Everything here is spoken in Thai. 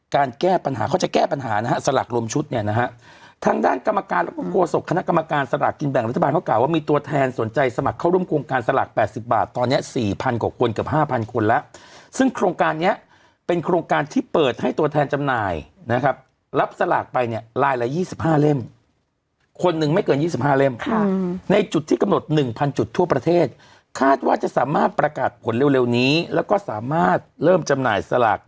การแก้ปัญหาเขาจะแก้ปัญหานะฮะสลากรวมชุดเนี้ยนะฮะทางด้านกรรมการแล้วก็โฆษกคณะกรรมการสลากกินแบ่งรัฐบาลเขากล่าวว่ามีตัวแทนสนใจสมัครเข้าร่วมโครงการสลากแปดสิบบาทตอนเนี้ยสี่พันกว่าคนเกือบห้าพันคนแล้วซึ่งโครงการเนี้ยเป็นโครงการที่เปิดให้ตัวแทนจำหน่ายนะครับรับสลากไปเนี้ย